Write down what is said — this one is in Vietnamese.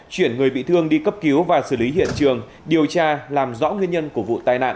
chuyển người bị thương đi cấp cứu và xử lý hiện trường điều tra làm rõ nguyên nhân của vụ tai nạn